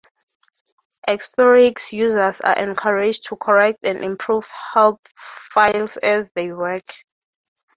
Experix users are encouraged to correct and improve help files as they work.